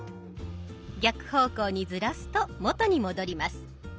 逆方向にずらすと元に戻ります。